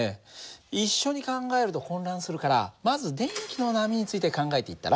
一緒に考えると混乱するからまず電気の波について考えていったら？